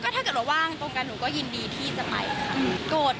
ถ้าเกิดว่าว่างตรงกันหนูก็ยินดีที่จะไปค่ะ